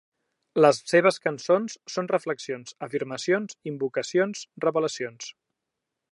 Les seves cançons són reflexions, afirmacions, invocacions, revelacions.